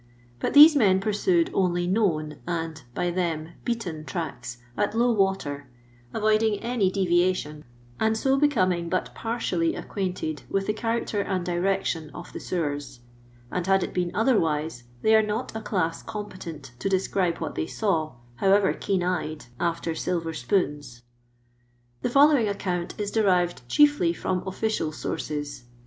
But these men pursued only known and (by them) beaten tracks at low water, avoiding any deviation, and ■0 becoming but partially acquainted with the character and direction of the sewers. And bad it been otherwise, they are not a class competent to describe what they saw, however keen eyed after silver spoons. The following account is derived chiefly from official sources.